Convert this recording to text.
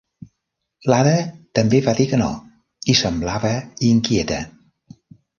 L'Ada també va dir que no, i semblava inquieta.